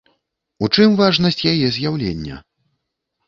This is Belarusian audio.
У чым важнасць яе з'яўлення?